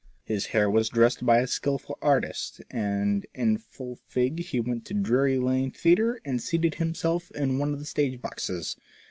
His hair was dressed by a skilful artist, and in full fig he went to Drury Lane Theatre, and seated himself in one of the stage boxes.